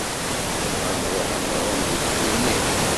Nebɣa ad nṛuḥ ad nɛum deg ugelmim.